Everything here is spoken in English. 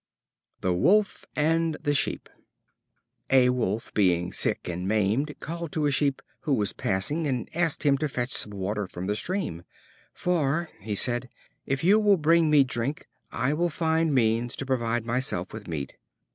The Wolf and the Sheep. A Wolf, being sick and maimed, called to a Sheep, who was passing, and asked him to fetch some water from the stream. "For," he said, "if you will bring me drink, I will find means to provide myself with meat."